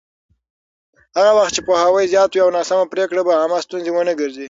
هغه وخت چې پوهاوی زیات وي، ناسمه پرېکړه به عامه ستونزه ونه ګرځي.